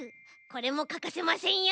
これもかかせませんよ。